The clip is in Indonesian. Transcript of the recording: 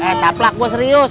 eh taplak gue serius